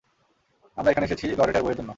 আমরা এখানে এসেছি লরেটার বইয়ের জন্য।